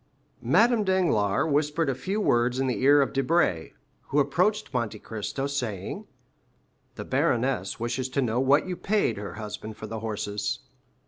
Madame Danglars whispered a few words in the ear of Debray, who approached Monte Cristo, saying, "The baroness wishes to know what you paid her husband for the horses."